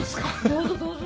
どうぞどうぞ。